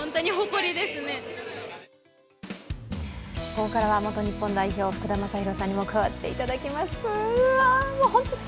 ここからは元日本代表の福田正博さんにも加わっていただきます